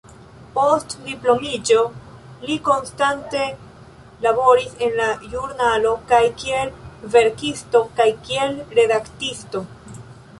Post diplomiĝo li konstante laboris en la ĵurnalo, kaj kiel verkisto kaj kiel redaktisto.